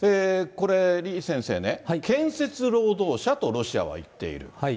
これ、李先生ね、建設労働者とロシアは言っている。